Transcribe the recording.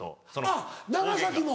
あっ長崎も。